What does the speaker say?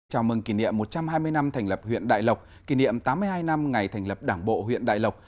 chào mừng kỷ niệm một trăm hai mươi năm thành lập huyện đại lộc kỷ niệm tám mươi hai năm ngày thành lập đảng bộ huyện đại lộc